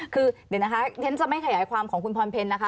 คือเดี๋ยวนะคะฉันจะไม่ขยายความของคุณพรเพลนะคะ